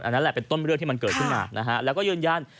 นั่นแหละเป็นต้นเรื่องที่มันเกิดขึ้นมานะฮะแล้วก็ยืนยัน